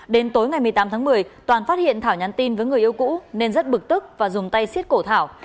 đến tối ngày một mươi tám tháng một mươi toàn phát hiện thảo nhắn tin với người yêu cũ nên rất bực tức và dùng tay xiết cổ thảo